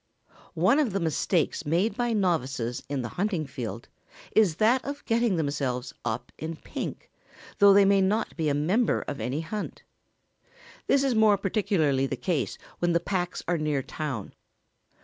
] One of the mistakes made by novices in the hunting field is that of getting themselves up in "pink," though they may not be a member of any hunt. This is more particularly the case when the packs are near town.